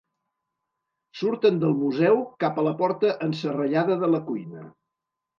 Surten del museu cap a la porta enserrellada de la cuina.